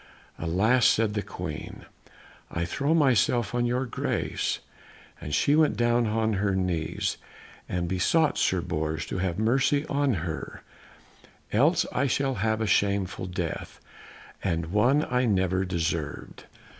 "Alas," said the Queen, "I throw myself on your grace," and she went down on her knees and besought Sir Bors to have mercy on her, "else I shall have a shameful death, and one I have never deserved."